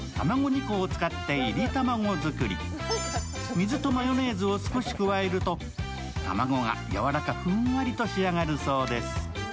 水とマヨネーズを少し加えると卵がやわらかふんわりと仕上がるそうです。